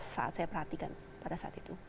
saat saya perhatikan pada saat itu